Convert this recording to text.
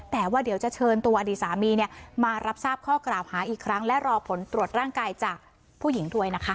แต่ว่าเดี๋ยวจะเชิญตัวอดีตสามีเนี่ยมารับทราบข้อกล่าวหาอีกครั้งและรอผลตรวจร่างกายจากผู้หญิงด้วยนะคะ